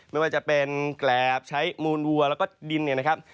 ไม่ว่าจะเป็นแกรบใช้มูลวัวแล้วก็ดินเนี่ยนะครับ